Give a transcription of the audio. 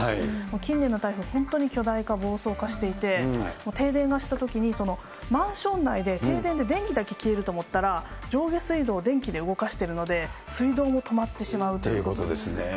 近年の台風、本当に巨大化、暴走化していて、停電したときにマンション内で停電で電気だけ消えると思ったら、上下水道を電気で動かしてるので、ということですね。